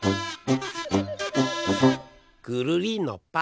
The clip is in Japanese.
くるりんのぱ！